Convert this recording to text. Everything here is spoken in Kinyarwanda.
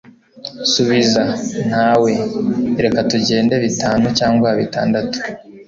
subiza (ntawe), reka tugende bitanu cyangwa bitandatu